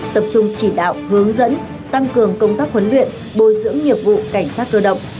tập trung chỉ đạo hướng dẫn tăng cường công tác huấn luyện bồi dưỡng nghiệp vụ cảnh sát cơ động